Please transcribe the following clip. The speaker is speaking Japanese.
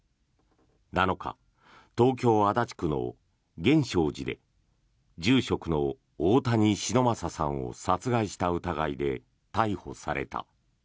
７日、東京・足立区の源証寺で住職の大谷忍昌さんを殺害した疑いで逮捕された。